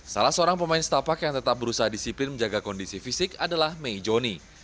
salah seorang pemain setapak yang tetap berusaha disiplin menjaga kondisi fisik adalah may johnny